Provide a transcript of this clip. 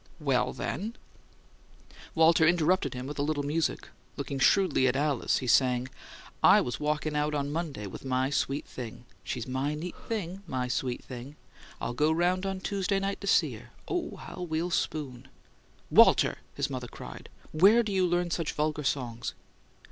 "Well, then " Walter interrupted him with a little music. Looking shrewdly at Alice, he sang: "I was walkin' out on Monday with my sweet thing. She's my neat thing, My sweet thing: I'll go round on Tuesday night to see her. Oh, how we'll spoon " "Walter!" his mother cried. "WHERE do you learn such vulgar songs?"